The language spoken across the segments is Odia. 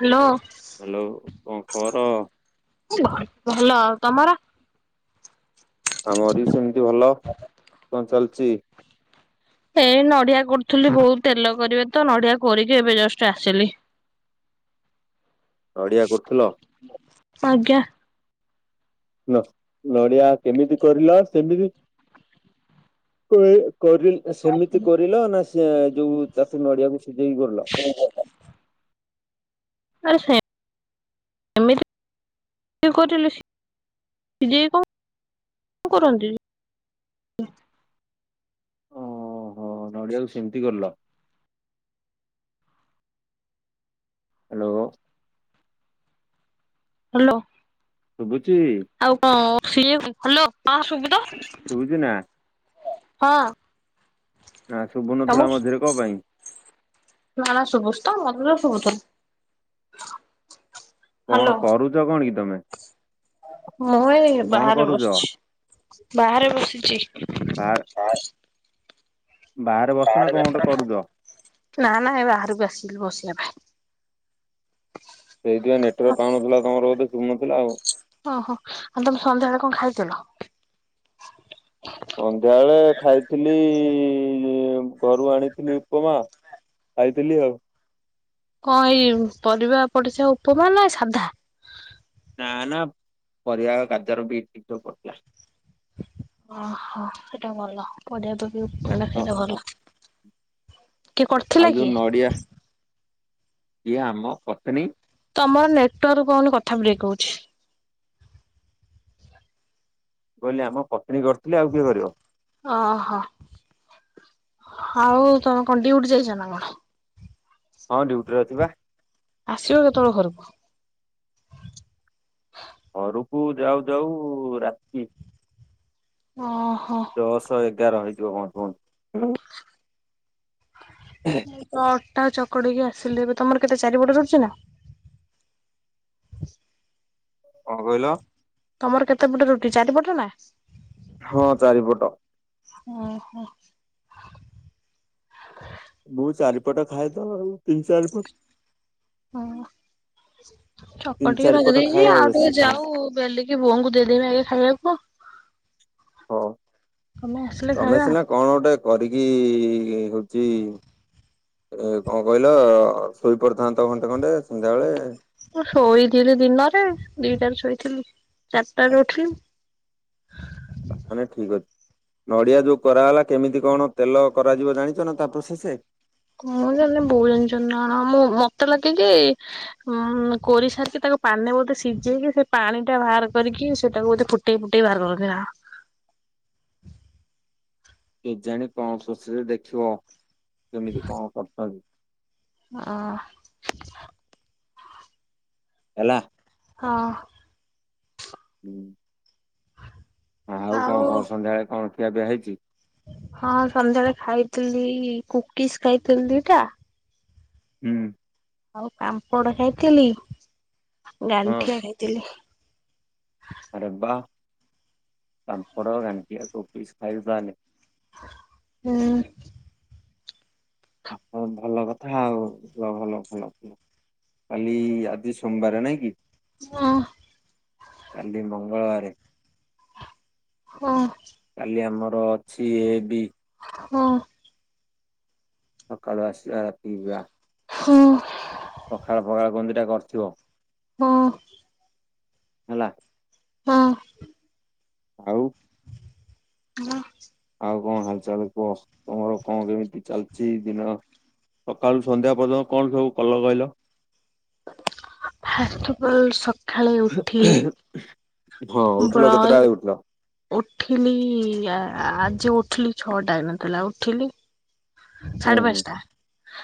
Hello hello. କଣ ଖବର? ଭଲ ଆଉ। ତମର। ଆମରି ସେମିତି ଭଲ କଣ ଚାଲିଛି। ଏଇ ନଡିଆ କରୁଥିଲି, ବହୁତ ତେଲ କର ତ ନଡିଆ କରିକି ଏବେ ଜଷ୍ଟ ଆସିଲି। ନଡିଆ କରୁଥିଲ। ଆଜ୍ଞା। ନ ନଡ଼ିଆ କେମିତି କୋରିଲ, ସେମିତି ସେମିତି କୋରିଲ ନା ସେ ଯୋଉ ଚାଷ ନଡିଆକୁ ସିଝେଇକି କୋରିଲ। ଆରେ ସେମି ସେମିତି କରିଲେ ସିଝେଇ କି କଣ କୋରନ୍ତି। ଓହୋ ନଡିଆକୁ ସେମିତି କୋରିଲ। ହାଲୋ। ହାଲୋ। ଶୁଭୁଛିି। ଆଉ କଣ ସିଏ ହାଲୋ ହଁ ସୁବିତ ଶୁଭୁଚିନା। ହଁ,। ନା ଶୁଭୁ ନଥିଲା ତମକୁ ମଝିରେ କଁ ପାଇଁ। ନା ସୁୁଭୁଚିତ ମତେ ଶୁଭୁତ କଣ କରୁଚ କଣ କି ତମେ ମୁଁ ଏଇ କଣ ବାହାରେ କରୁଛ? ବସିଛି ବାହାରେ ବସିଚି ବାହାର [unintelligible] ବସିଛ ନା କଣ ଗୋଟେ କରୁଛ? ନା ନା ବାହାରକୁ ଆସିଲି ବସିବା ପାଇଁ ସେଇଥିପାଇଁ ନେଟୱାର୍କ ପାଉନଥିଲା ତମର ବୋଧେ ଶୁଭୁନଥିଲା ଆଉ ଓହୋ ଆଉ ତମେ ସନ୍ଧ୍ୟାବେଳେ କଣ ଖାଇଥିଲ? ସନ୍ଧ୍ୟାବେଳେ ଖାଇଥିଲି ଘରୁ ଆଣିଥିଲି ଉପମା ଖାଇଥିଲି ଆଉ କଣ ଏଇ ପରିବା ପଡିଚି ଉପମା ନା ସାଧା ନା ନା ପରିବା ଗାଜର ବିଟ ସବୁ ପଡଥିଲା। ଓହୋ ସେଇଟା ଭଲ ପରବା ପଡିକି ଖାଇଲେ ଭଲ। କିଏ ଆଉ କରିଥିଲା ଯୋଉ କି? ନଡିଆ ଇଏ ଆମ ପତ୍ନୀ ତମର ନେଟୱାର୍କ ପାଉନି କଥା ବ୍ରେକ ହଉଛି। ମୁଁ କହିଲି ଆମ ପତ୍ନୀ କରିଥିଲେ ଆଉ କିଏ କରିବ? ଓହୋ ଆଉ ତମେ କଣ ଡିଉଟି ଯାଇଛନା କଣ? ହଁ ଡ୍ୟୁଟିରେ ଅଛିବା। ଆସିବ କେତେବେଳେ ଘରକୁ ଘରକୁ ଯାଉ ଯାଉ ରାତି। ଓହୋ। ଦଶ ଏଗାର ହେଇଯିବ ଘରକୁ ତ ଅଟା ଚକଡିକି ଆସିଲି ଏବେ ତମର କେତେ ଚାରିପଟ ରୁଟି ନା? କଣ କହିଲ? ତମର କେତେ ପଟ ରୁଟି ଚାରିପଟନା? ହଁ ଚାରିପଟ ଓହୋ ମୁଁ ଚାରିପଟ ଖାଏତ ଆଉ ତିନି ଚାରିପଟ ହଁ ତିନି ଚକଟିକି ଚାରିପଟ ରଖି ଖାଏ ଦେଇଛି ଆଉ ବେଶୀ ଟିକେ ଖାଏନି। ଯାଉ ବେଲିକି ବୋଉଙ୍କୁ ଦେଇଦେବି ଆଗେ ଖାଇବାକୁ ହଉ ତମେ ଆସିଲେ ତମେ ଖାଇବା ସିନା କଣ ଗୋଟେ କରିକି ହଉଚି ଏ କଣ କହିଲ ଶୋଇପଡିଥାନ୍ତ ଘଣ୍ଟେ ଖଣ୍ଡେ ସନ୍ଧ୍ୟାବେଳେ ମୁଁ ଶୋଇଥିଲି ଦିନରେ ଦିଟାରେ ଶୋଇଥିଲି ଚାରିଟାରେ ଉଠିଲି ତାହେଲେ ଠିକ ଅଛି। ନଡିଆ ଯୋଉ କୋରାହେଲା କେମିତି କଣ ତେଲ କରାଯିବ ଜାଣିଛନା ତାପ୍ରୋସେସ? ମୁଁ ଜାଣିନି ବୋଉ ଯାଣିଚନ୍ତି ନା କଣ ମୁଁ ମତେ ଲାଗେକି? ଉଁ କରିସାରିକି ତାକୁ ପାଣିରେ ବୋଧେ ସିଝେଇକି ସେ ପାଣିଟା ବାହାର କରିକି ସେଟାକୁ ବୋଧେ ଫୁଟ [unintelligible] କେଜାଣି କଣ ପ୍ରୋସେସ୍ ଦେଖିବ କେମିତି କଣ କରୁଛନ୍ତି। ଆ। ହେଲା। ହଁ। ହୁଁ [inaudible] ଆଉ କଣ ଖବର ସନ୍ଧ୍ୟାବେଳେ କଣ ଖିଆ ପିଆ ହେଇଛି? ହଁ ସନ୍ଧ୍ୟାବେଳେ ଖାଇଥିଲି କୁକିସ୍ ଖାଇଥିଲି ଦିଟା। ହୁଁ। ଆଉ ପାମ୍ପଡ଼ ହେଇଥିଲି ହଁ ଗାଣ୍ଠିଆ ହେ। ଆରେ ବା ପାମ୍ପାଡ଼ ଗାଣ୍ଠିଆ କୁକିଶ୍ ଖାଇଲୁ ତାହେଲେ। ହୁଁ। ଆଉ କଣ ଭଲ କଥା ଆଉ ଭଲ ଭଲ କାଲି ଆଜି ସୋମବାର ନାଇଁ କି? ହଁ। କାଲି ମଙ୍ଗଳବାରେ। ହଁ। କାଲି ଆମର ଅଛି ଏ ବି। ହଁ। ସକାଳୁ ଆସିବା ରାତିକି ଯିବା। ହଁ। ପଖାଳ ଫଖାଳ କଣ ଦିଟା କରିଥିବ? ହଁ। ହେଲା। ହଁ। ଆଉ। ହଁ। ଆଉ କଣ ହାଲ୍ ଚାଲ୍ କୁହ ତମର କଣ କେମିତି ଚାଲିଛି ଦିନ? ସକାଳୁ ସନ୍ଧ୍ୟା ପର୍ଯ୍ୟନ୍ତ କଣ ସବୁ କଲ କହିଲ? ଫାସ୍ବଲ ହଁ ଉଠିଲ ବ୍ର କେତେଟା ବେଳେ ଉଠିଲ? ଉଠିଲି ଆଜି ଉଠିଲି ଛଅଟା ହେଇନଥିଲା ଉଠିଲି। ହୁଁ ସାଢେ଼ ହୁଁ। ପାଞ୍ଚଟା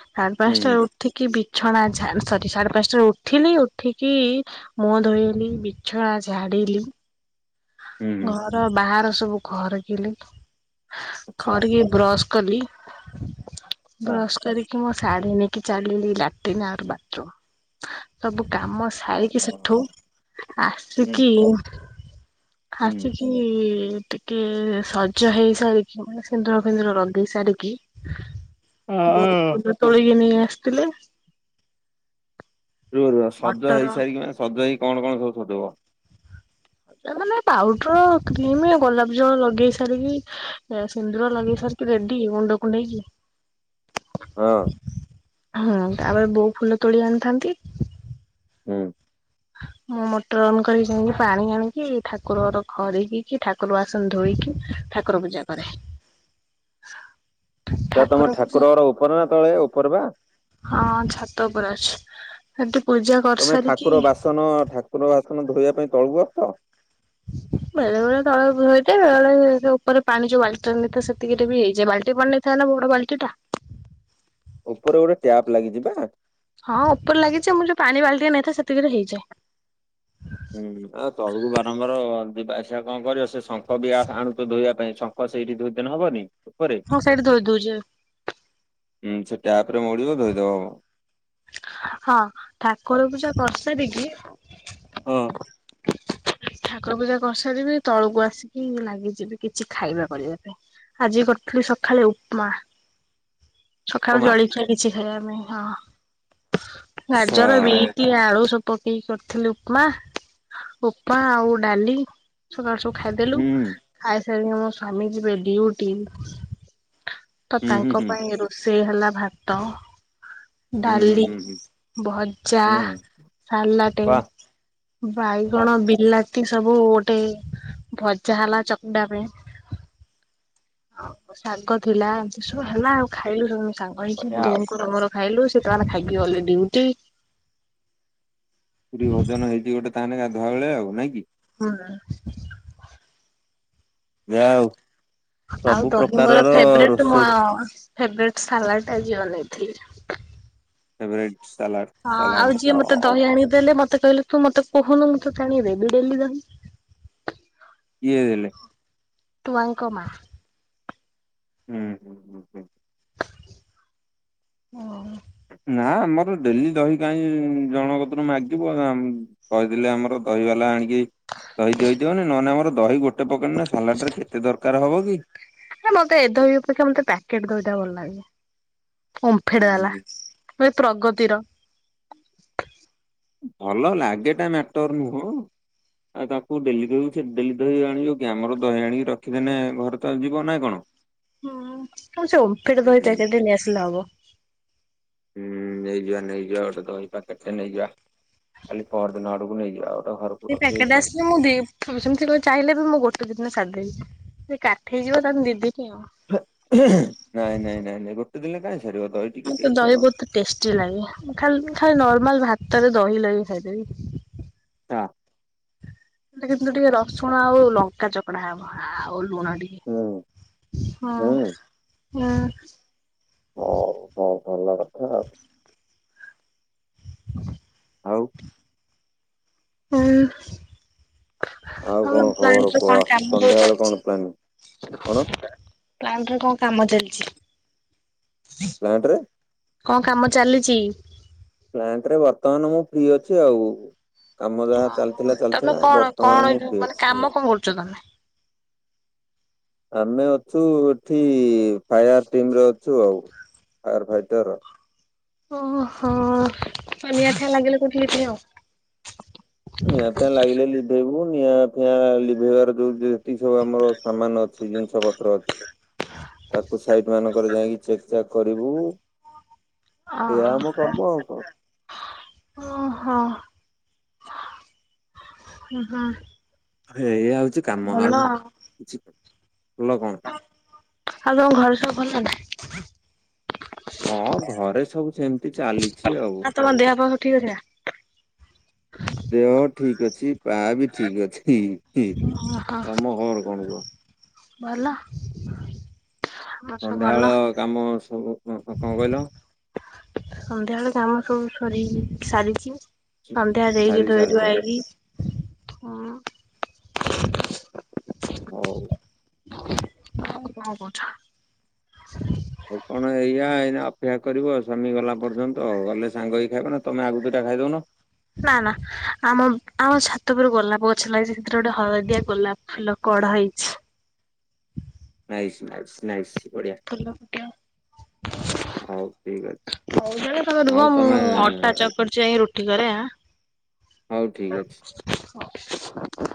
ସାଢ଼େ ହୁଁ ପାଞ୍ଚଟା ହୁଁ ଉ ଉଠିକି ବିଛଣା ଝାଡ଼ି ସରି ସାଢ଼େ ପାଞ୍ଚଟାରେ ଉଠିଲି ଉଠିକି ମୁଁହ ଧୋଇ ଗଲି ବିଛଣା ଝାଡ଼ିଲି। ହୁଁ ହୁଁ ଘର ବାହାର ସବୁ ଖରିକିଲି ଆଚ୍ଛା ଖରିକି ବ୍ରସ୍ କଲି ଆଚ୍ଛା ବ୍ରସ୍ କରି ମୋ ଶାଢ଼ୀ ନେଇକି ଚାଲିଲି ଲାଟ୍ରିନ୍ ଆଉ ବାଥରୁମ୍ ସବୁ କାମ ସାରିକି ସେଠୁ ଓହୋ ହୁଁ ଆସିକି ହୁଁ। ଆସିକି [inaudible] ଟିକେ ସଜ ହେଇ ସାରିକି ମାନେ ସିନ୍ଦୁର ଫିନ୍ଦୁର ଲଗେଇ ସାରିକି ହଁ। ବୋଉ ଫୁଲ ତୋଳିକି ନେଇ ଆସିଥିଲେ। ରୁ ସଜ ମଟର ହେଇସାରି ସଜ ହେଇ କଣ କଣ ସବ ସଜବ ଏ ମାନେ ପାଉଡର କ୍ରିମ ଗୋଲାପ ଜଳ ଲଗେଇ ସାରିକି ଏ ସିନ୍ଦୁର ଲାଗେଇ ସାରିକି ରେଡି ମୁଣ୍ଡକୁ ନେଇକି ହଁ। ହଁ ତାପରେ ବୋଉ ଫୁଲ ତୋଳି ଆଣିଥାନ୍ତି। ହୁଁ। ମୁଁ ମଟର ଅନ୍ କରିକି ଯାଇି ପାଣି ଆଣିକି ଠାକୁରର ଖରିକି ଠାକୁର ଆସନ ଧୋଇକି ଠାକୁର ପୂଜା କରେ। ତା ତମ ଠାକୁର ପୂଜା ଠାକୁରର ଉପର ନା ତଳେ ଉପର ବା ହଁ ଛାତ ଉପରେ ଅଛି। ସେଠି ପୂଜା କ ତମେ ଠାକୁର ବାସନ ଠାକୁର ବାସନ ଧୋଇବା ପାଇଁ ତଳକୁ ଆସ ବେଳେ ବେଳେ ତଳକୁ ହୁଏତ ବେଳ ଳ ସେ ଉପରେ ପାଣି ଯୋଉ ବାଲ୍ଟି ନେଇଥା ସେତିି କିରେ ବି ହେଇଯାଏ ବାଲ୍ଟିଏ ପାଣି ନେ ସେ ନା ବଡ ବାଳ୍ଟିଟା। ଉପରେ ଗୋଟେ ଟ୍ୟାପ ଲାଗିଚିବା ହଁ ଉପରେ ଲାଗିଚି ଯେ ମୁ ଯେ ପାଣି ବାଲ୍ଟି ନେଇେଥାଏ ସେତିକିରେ ହେଇଯାଏ। ହୁଁ ଆ ପ୍ରଭୁଙ୍କୁ ବାରମ୍ବାର ଯିବା ଆସିବା କଣ କରିବେ ସେ ଶଙ୍ଖ ବି ଆ ଆଣୁଥିବେ ଧୋଇବା ପାଇଁ ଶଙ୍ଖ କ ସେଇଠି ଦୁଇ ଦିନ ହବନି ଉପରେ ହଁ ସେଇଠି ଧୋଇ ଦଉଚଅ ହୁଁ ସେ ଟ୍ୟାପ ରେ ମୋଡିବ ଧୋଇଦବ ହବ। ହଁ ଠାକୁର ପୂଜା କରିସାରିକି ହଁ। ଠାକୁର ପୂଜା କରିସାରିବି ତଳକୁ ଆସିବି ଲାଗିଯିବି କିଛି ଖାଇବା କରିବା ପାଇଁ ଆଜି କରିଥିଲି ସକାଳୁ ଉପମା। ସକାଳୁ ଉପମା ଜଳଖିଆ କିଛି ଖାଇବାପାଇଁ ହଁ ସା ଗାଜର ବିଟ୍ କିଏ ଆଳୁ ସବୁ ପକେଇକି କରିଥିଲି ଉପମା ଉପମା ଆଉ ଡାଲି ସକାଳୁ ସବୁ ଖାଦେଲୁ ହୁଁ ଖାଇସାରି ମୋ ସ୍ବାମୀ ଯିବେ ଡିଉଟି। ତ ହୁଁ ହୁଁ ତାଙ୍କ ହୁଁ ପାଇଁ ରୋଷେଇ ହେଲା ଭାତ ହୁଁ ହୁଁ ଡାଲି ହୁଁ ହୁଁ। ଭଜା ହୁଁ ସାଲାଟେ ବାଃ ବାଃ ବାଇଗଣ ବିଲାତି ସବୁ ଗୋଟେ ଭଜା ହେଲା ଚକଟା ପାଇଁ ହ ଶାଗ ଥିଲା ଏସୁଅ ହେଲା ଆଉ ଖାଇଲୁ ସବୁ ସାଙ୍ଗ ହେଇକି ବଢିଆ ଆଉ। ବୋଉଙ୍କର ମୋର ଖାଇଲୁ ସେତାନ ଖାଇକି ଗଲେ ଡିଉଟି ପୁରୀ ଭଜନ ହେଇଛି ଗୋଟେ ତାନେ ଗାଧୁଆ ବେଳେ ଆଉ ନାଇଁ କି। ହୁଁ। ଯାଉ ଆଉ ଦହି ବରା ଫେବ୍ରେଟ୍ ମୋ ରୋଷେଇ। ଆଉ ଫେବ୍ରେଟ୍ ସାଲାଟ୍ ଇଏ ବନେଇଥି ଫେଭରଟ୍ ସାଲାଟ ହଁ ଆଉ ଯିଏ ମତେ ଦହି ଆଣିଦେଲେ ମତେ କହିଲେ ତୁ ମତେ କହୁନୁ ମୁଁ ତତେ ଆଣି ଦେବି ବେଲି ଦହି ଇଏଦେଲେ ତୁ ଆାଙ୍କ ମା ହୁଁ ହୁଁ ହୁଁ ଓହୋ। ନା ଆମର ଡେଲି ଦହି କାହିଁ ଜଣଗତରୁ ମାଗିବୁ ଆ କହିଥିଲି ଆମର ଦହିବାଲା ଆଣିକି ଦହି ଦଇ ଦିଅଣେ ନହେଲେ ଆମର ଦହି ଗୋଟେ ପକେଟ ନେ ସାଲାଡ ରେ କେତେ ଦରକାର ହବ କି? ମତେ ଏ ଦହି ଅପେକ୍ଷା ମତେ ପ୍ୟାକେଟ ଦହି ଟା ଭଲ ଲାଗେ ଓମ୍ଫେଡ ବାଲା ହୁଁ, ଏ ପ୍ରଗତିର ଭଲ ଲାଗେ ଟା ମ୍ଯାଟର ନୁହଁ ଆଉ ତାକୁ ଡେଲି କହିବୁ ସେ ଡେଲି ଦହି ଆଣିବ କିଆଁ ଆମର ଦହି ଆଣି ରଖିଦେନେ ଘରେ ତ ଯିବ ନା କଣ ଁ [inaudible] ହୁଁ ସେ ଓମଫେଡ ଦହି ପ୍ୟାକେଟ୍ ଟା ନେଇ ଆସିଲେ ହବ ହୁଁ ନେଇଯିବା ନେଇଯିବା ଗୋଟେ ଦହି ପାକେଟ ନେଇଯିବା କାଲି ପହରଦିନ ଆଡକୁ ନେଇଯିବା ଗୋଟା ଘରକୁ ସେ ପ୍ୟାକେଟ ରଖିଦେଇଥିବା। ଆସେ ମୁଁ ଦିପ୍ ସେମିତି କହି ଚାହିଁଲେ ବି ମୁଁ ଗୋଟେ ଦିନେ ସାରିଦେବି ସେ କାଠେଇ ଯିବ ତାହେଲେ ଦି ଦିନ ଆଉ ଏ ଏହେ ନାଇଁ ନାଇଁ ନାଇଁ ନାଇଁ ଗୋଟେ ଦିନ କାଇଁ ସାରିବ ଦଇ ଟିକେ ମତେ ଟିକେ ଦହି ଥାଉ ଆମ ବହୁତ ଟେଷ୍ଟି ଲାଗେ ଖାଲ୍ ଖାଲ୍ ନର୍ମାଲ ଭାତରେ ଦହି ଲଗେଇ ଖାଇଦେବି ତ କିନ୍ତୁ ଟିକେ ରସୁଣ ଆଉ ଲଙ୍କା ଚକ ଡା ହେଵ ଆଉ ଲୁଣ ହୁଁ ଟିକେ ହଁ ହୁଁ। ହୁଁ ହଉ ହଉ ଭଲ କଥା ଆଉ ଆଉ ହଉଁ ଆଉ ହଉ କଣ ଖବର କଣି ତ କୁହ କଣ କାମ ହଉ ସନ୍ଧ୍ୟାବେଳେ କଣ ଚାଲିଛି ପ୍ଲାନିଂ କଣ ପ୍ଲାଣ୍ଟ ରେ କଣ କାମ ଚାଲିଛି? ପ୍ଲାଣ୍ଟ ରେ କଣ କାମ ଚାଲିଛି? ପ୍ଲାଣ୍ଟ ରେ ବର୍ତ୍ତମାନ ମୁଁ ଫ୍ରି ଅଛି ଆଉ କାମ ଯାହା ଓହୋ ଚାଲିଥିଲା ତମେ ଚାଲିଥିଲା କଣ କଣ ବର୍ତ୍ତମାନ ମୁଁ ଯୋଉ ଫି ମାନେ ଅଛି କାମ କଣ କରୁଛ ତମେ? ଆମେ ଅଛୁ ଏଠି ଫାୟାର ଟିମରେ ଅଛୁ ଆଉ ଫାୟାର ଫାଇଟର ଓ ହୋ ପନି ଆ ଠନଆ ଲାଗିଲେ କଥିଲି ଆଉ ନିଆଁ ଫିଆଁ ଲାଗିଲେ ଲିଭେଇବୁ ନିଆଁ ଫିଆଁ ଲିଭେଇବାର ଯୋଉ ଯେତିକି ସବୁ ଆମର ସମାନ ଅଛି ଜିନିଷ ପତ୍ର ଅଛି ତାକୁ ସାଇଟ ମାନଙ୍କରେ ଯାଇକି ଚେକ୍ ଚାକ୍ କରିବୁ ଓ ଓ ଏଇଆ ଆମ କାମ ଆଉ କଣ। ହୋ ହ ହଁ ଏଇଆ ହଉଛି କାମ ଆଉ କିଛି ଭଲ କଣ ଆଉ ତମ ଘର ସବୁ ଭଲ ନା? ହଁ ଘରେ ସବୁ ସେମିତି ଚାଲିଛି ଆଉ ତମ ଦେହ ପା ସବୁ ଠିକ୍ ଅଛି ନା? ଦେହ ଠିକ ଅଛି ପା ବି ଠିକ ଅଛି ଓହୋ ତମ ଘର କଣ କୁହ ଭଲ ଆମର ସବୁ ଭଲ ସନ୍ଧ୍ୟାବେଳ କାମ ସବୁ କଣ କହିଲ ସନ୍ଧ୍ୟା ବେଳେ କାମ ସବୁ ସରି ସାରିଛି ସୁ- ସନ୍ଧ୍ୟା ଦେଇକି ସାରି ଧୋଇ ଧୁଆ ସାରିଛ ହେଇକି ହଁ ହଉ ହଉ କଣ କହୁଛ ଆଉ କଣ ଏଇଆ ଏଇନା ଅପେକ୍ଷା କରିବ ସ୍ୱାମୀ ଗଲା ପର୍ଯ୍ୟନ୍ତ ଆଉ ଗଲେ ସାଙ୍ଗ ହେଇ ଖାଇବ ନା ତମେ ଆଗ ଦୁଇଟା ଖାଇଦଉନ ନା ନା ଆମ ଆମ ଛାତ ଉପରେ ଗୋଲାପ ଗଛ ଲାଗିଛି ସେଥିରେ ଗୋଟେ ହଳଦିଆ ଗୋଲାପ ଫୁଲ କଡ ହେଇଛି ନାଇସି ନାଇସି ନାଇସି ବଢଆ ଫୁଲ [unintelligible] ହଉ [unintelligible] ଠିକ ଅଛି। ତମ ହଉ ରୁହ ତମେ ମୁଁ ଅଟା ଚକଟି ଯାଇଁ ରୁଟି କରେ ଆ। ହଉ ଠିକ୍ ଅଛି। ହଉ।